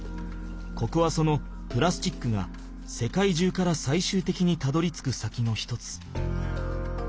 ここはそのプラスチックが世界中からさいしゅうてきにたどりつく先の一つ。